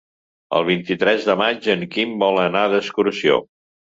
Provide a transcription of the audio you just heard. El vint-i-tres de maig en Quim vol anar d'excursió.